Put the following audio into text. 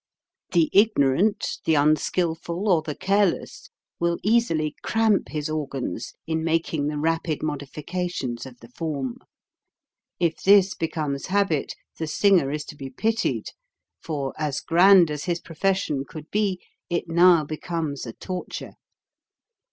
The ignorant, the unskilful, or the careless will easily cramp his organs in making the rapid modifications of the form. If this be comes habit, the singer is to be pitied, for, as grand as his profession could be, it now becomes a torture.